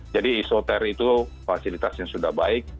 jadi isoter itu fasilitas yang sudah baik